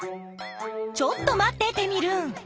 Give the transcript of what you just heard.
ちょっと待ってテミルン！